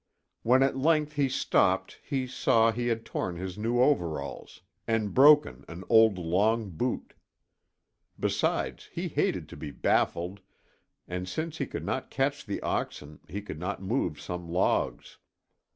When at length he stopped he saw he had torn his new overalls and broken an old long boot. Besides, he hated to be baffled and since he could not catch the oxen he could not move some logs.